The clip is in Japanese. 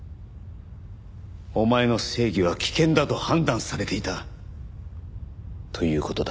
お前の正義は危険だと判断されていたという事だ。